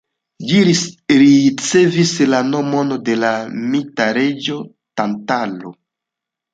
Ĝi ricevis la nomon de la mita reĝo Tantalo.